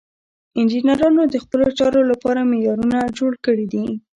انجینرانو د خپلو چارو لپاره معیارونه جوړ کړي دي.